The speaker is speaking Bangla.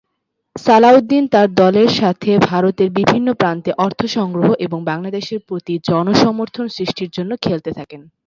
সালাউদ্দিন তার দলের সাথে ভারতের বিভিন্ন প্রান্তে অর্থ সংগ্রহ এবং বাংলাদেশের প্রতি জনসমর্থন সৃষ্টির জন্য খেলতে থাকেন।